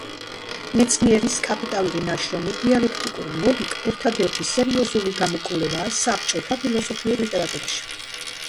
მეცნიერის კაპიტალური ნაშრომი „დიალექტიკური ლოგიკა“ ერთადერთი სერიოზული გამოკვლევაა საბჭოთა ფილოსოფიურ ლიტერატურაში.